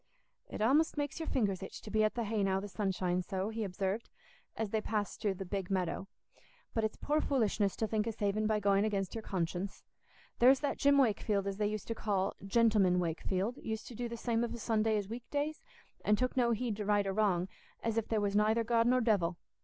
"It a'most makes your fingers itch to be at the hay now the sun shines so," he observed, as they passed through the "Big Meadow." "But it's poor foolishness to think o' saving by going against your conscience. There's that Jim Wakefield, as they used to call 'Gentleman Wakefield,' used to do the same of a Sunday as o' weekdays, and took no heed to right or wrong, as if there was nayther God nor devil.